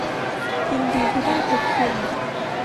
ยินดีที่ได้พบคุณ